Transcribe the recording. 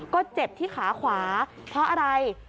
ก็เจ็บที่ขาขวาเพราะอะไร